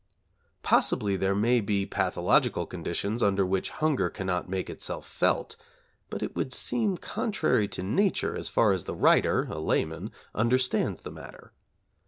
Possibly there may be pathological conditions under which hunger cannot make itself felt, but it would seem contrary to Nature as far as the writer, a layman, understands the matter.